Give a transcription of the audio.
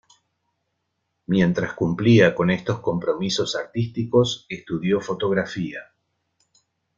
Mientras cumplía con estos compromisos artísticos, estudió fotografía.